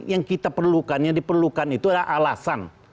yang kita perlukan yang diperlukan itu adalah alasan